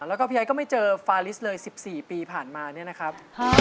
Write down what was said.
แล้วก็พี่ไอ้ก็ไม่เจอฟาลิสเลย๑๔ปีผ่านมาเนี่ยนะครับ